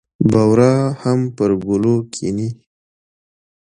بورا هم پر ګلو کېني.